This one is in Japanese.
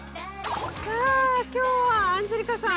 今日はアンジェリカさん。